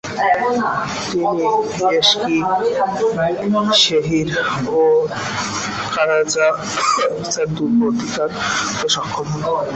তিনি এসকিশেহির ও কারাজাহিসার দুর্গ অধিকার করতে সক্ষম হন।